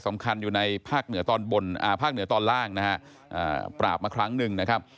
สำคัญอยู่ในภาคเหนือตอนล่างนะครับปราบมาครั้งนึงนะครับ